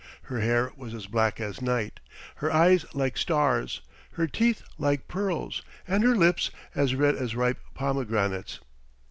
Her hair was as black as night, her eyes like stars, her teeth like pearls, and her lips as red as ripe pomegranates.